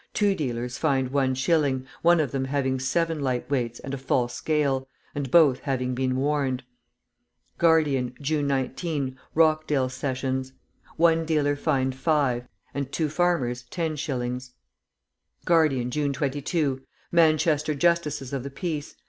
Two dealers fined one shilling, one of them having seven light weights and a false scale, and both having been warned. Guardian, June 19, Rochdale Sessions. One dealer fined five, and two farmers ten shillings. Guardian, June 22, Manchester Justices of the Peace.